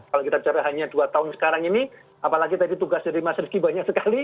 kalau kita bicara hanya dua tahun sekarang ini apalagi tadi tugas dari mas rizky banyak sekali